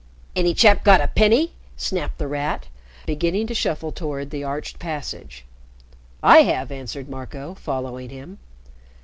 "Any chap got a penny?" snapped The Rat, beginning to shuffle toward the arched passage. "I have!" answered Marco, following him.